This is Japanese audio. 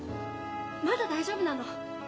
まだ大丈夫なの。